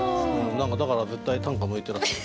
何かだから絶対短歌向いてらっしゃる。